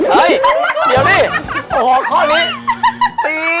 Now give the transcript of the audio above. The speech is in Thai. เฮ้ยเดี๋ยวนี้